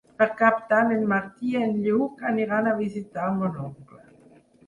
Per Cap d'Any en Martí i en Lluc aniran a visitar mon oncle.